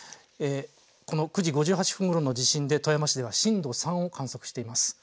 この９時５８分ごろの地震で富山市では震度３を観測しています。